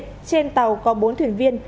trên tàu có bốn thuyền viên